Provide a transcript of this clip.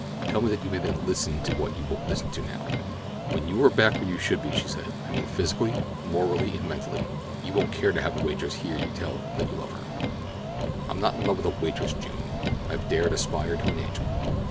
Tell me that you may then listen to what you won't listen to now." "When you are back where you should be," she said, "I mean physically, morally, and mentally, you won't care to have a waitress hear you tell her that you love her." "I'm not in love with a waitress, June; I've dared aspire to an angel."